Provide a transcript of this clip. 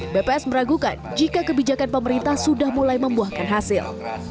bps meragukan jika kebijakan pemerintah sudah mulai membuahkan hasil